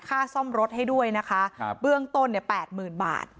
ค่าซ่อมรถให้ด้วยนะคะเบื้องต้นเนี่ยแปดหมื่นบาท